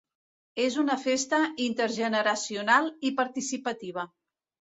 És una festa intergeneracional i participativa.